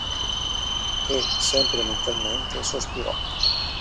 E, sempre mentalmente, sospirò.